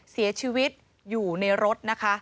เสียชีวิตอยู่ในรถนะคะ